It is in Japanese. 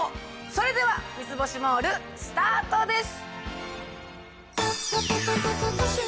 それでは『三ツ星モール』スタートです。